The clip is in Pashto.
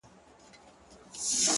د ستن او تار خبري ډيري شې دي’